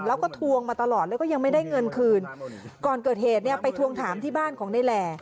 แล้วก็ทวงมาตลอดแล้วก็ยังไม่ได้เงินคืนก่อนเกิดเหตุเนี่ยไปทวงถามที่บ้านของในแหล่